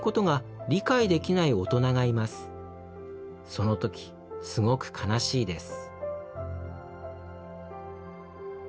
そのときすごく悲しいです」。